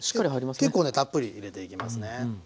結構ねたっぷり入れていきますね。